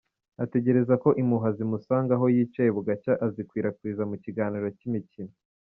Ategereza ko impuha zimusanga aho yicaye bugacya azikwirakwiza mu kiganiro cy’imikino.